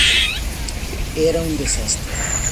Era un desastre".